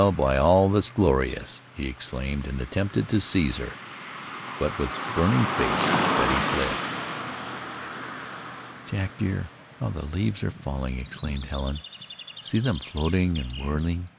By all that's glorious!" he exclaimed, and attempted to seize her; but with burning face Betty fled. "Jack, dear, how the leaves are falling!" exclaimed Helen. "See them floating and whirling.